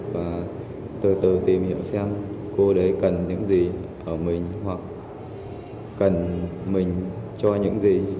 và từ từ tìm hiểu xem cô đấy cần những gì ở mình hoặc cần mình cho những gì